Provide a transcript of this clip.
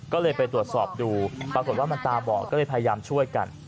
ก็เลยไปตรวจสอบดูปรากฏว่ามันตาบอดก็เลยพยายามช่วยกัน